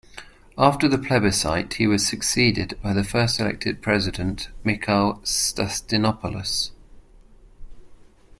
After the plebiscite, he was succeeded by the first elected President, Michail Stasinopoulos.